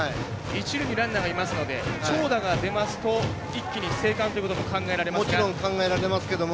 一塁にランナーがいますので長打が出ますと一気に生還ということも考えられますね。